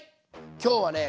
今日はね